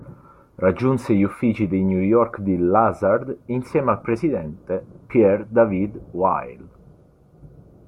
Raggiunse gli uffici di New York di Lazard insieme al presidente Pierre David-Weill.